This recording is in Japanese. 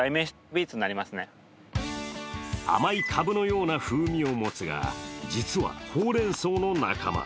甘いカブのような風味を持つが、実はほうれん草の仲間。